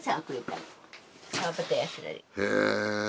へえ。